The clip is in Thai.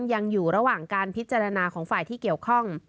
ยังอยู่ระหว่างการพิจารณาของฝ่ายที่เกี่ยวข้อง